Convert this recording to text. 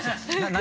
何？